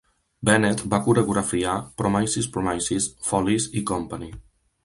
Bennett va coreografiar "Promises, Promises", "Follies" i "Company".